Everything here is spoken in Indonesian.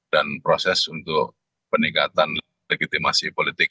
dan proses untuk peningkatan legitimasi politik